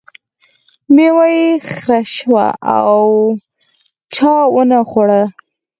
میوه یې خره شوه او چا ونه خوړه.